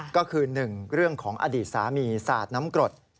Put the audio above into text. ก็คือ๑เรื่องของอดีตสามีสาดน้ำกรด